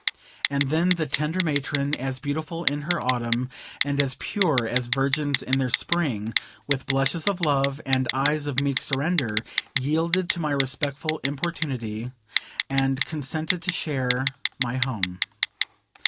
And then the tender matron, as beautiful in her Autumn, and as pure as virgins in their spring, with blushes of love and "eyes of meek surrender," yielded to my respectful importunity, and consented to share my home.